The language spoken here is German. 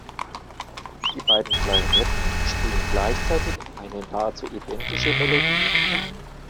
Die beiden Klarinetten spielen gleichzeitig eine nahezu identische Melodie.